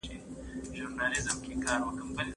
يو څه خو وايه! کنه يار خبري ډيري ښې دي